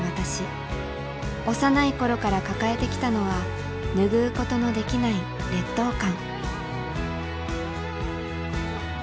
幼い頃から抱えてきたのは拭うことのできない「劣等感」。